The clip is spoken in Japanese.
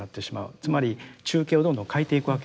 つまり中景をどんどん欠いていくわけですよね。